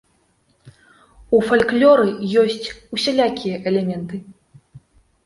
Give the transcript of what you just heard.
У фальклоры ёсць усялякія элементы.